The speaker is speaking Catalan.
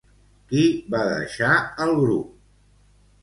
Qui va deixar el grup?